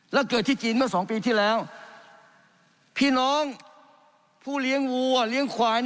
แล้วเกิดที่จีนเมื่อ๒ปีที่แล้วพี่น้องผู้เลี้ยงวัวเลี้ยงควาย